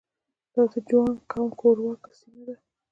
دا د جوانګ قوم کورواکه سیمه ده.